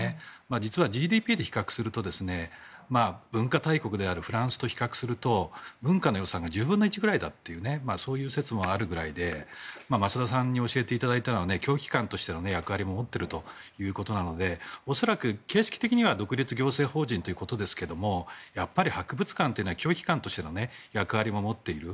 実はＧＤＰで比較すると文化大国であるフランスと比較すると文化の予算が１０分の１ぐらいだというそういう説もあるくらいで増田さんに教えていただいた教育機関としての役割も持っているということなので恐らく形式的には独立行政法人ということですがやっぱり博物館というのは教育機関としての役割も持っている。